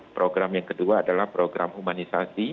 program yang kedua adalah program humanisasi